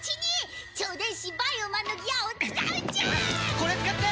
これ使って！